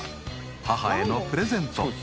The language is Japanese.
母へのプレゼント］